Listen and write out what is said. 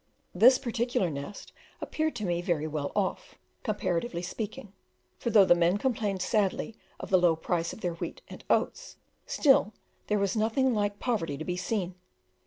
This particular "nest" appeared to me very well off, comparatively speaking; for though the men complained sadly of the low price of their wheat and oats, still there was nothing like poverty to be seen.